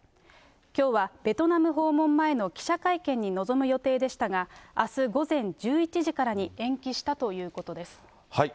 きょうはベトナム訪問前の記者会見に臨む予定でしたが、あす午前１１時からに延期したということです。